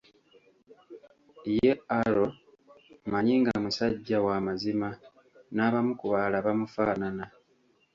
Ye Arrow mmanyi nga musajja wa mazima n'abamu ku balala bamufaanana.